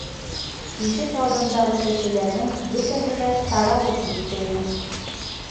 Ишек алдындағы кешеләрҙең бөтәһе лә таралып бөткәйне.